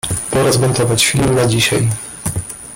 Pora zmontować film na dzisiaj.